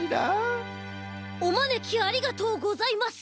おまねきありがとうございます